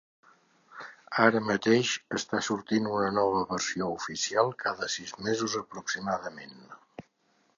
Ara mateix està sortint una nova versió oficial cada sis mesos aproximadament.